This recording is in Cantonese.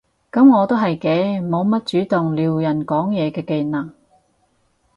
噉我都係嘅，冇乜主動撩人講嘢嘅技能